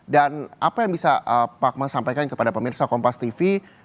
dan apa yang bisa pak akmal sampaikan kepada pemirsa kompas tv